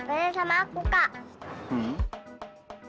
aspan sama aku kak